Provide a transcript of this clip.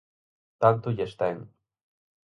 Tanto lles ten.